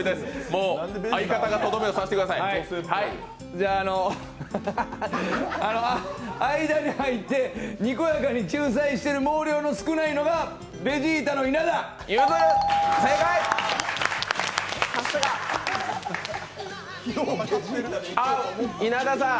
じゃ、間に入ってにこやかに仲裁してる毛量の少ないのがさすが。あっ、稲田さん。